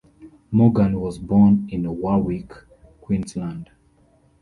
Morgan was born in Warwick, Queensland.